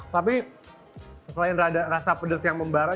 tapi selain rasa pedas yang membara